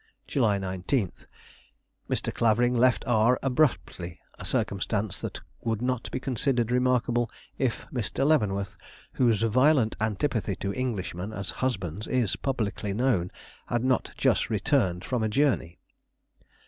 _ "July 19. Mr. Clavering left R abruptly, a circumstance that would not be considered remarkable if Mr. Leavenworth, whose violent antipathy to Englishmen as husbands is publicly known, had not just returned from a journey.